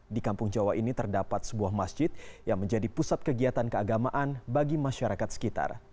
di kampung jawa ini terdapat sebuah masjid yang menjadi pusat kegiatan keagamaan bagi masyarakat sekitar